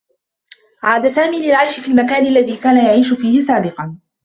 عاد سامي للعيش في المكان الذي كان يعيش فيه سابقا.